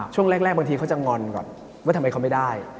ช่วงแรกบางทีเขาจะงอนก่อนว่าทำไมเขาไม่ได้